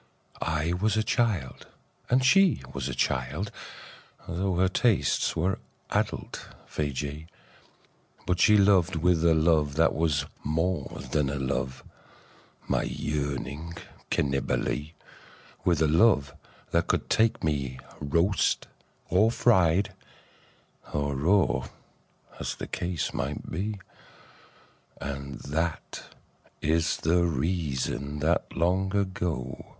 I was a child, and she was a child — Tho' her tastes were adult Feejee — But she loved with a love that was more than love, My yearning Cannibalee; With a love that could take me roast or fried Or raw, as the case might be. And that is the reason that long ago.